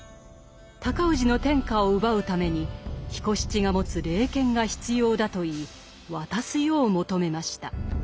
尊氏の天下を奪うために彦七が持つ霊剣が必要だと言い渡すよう求めました。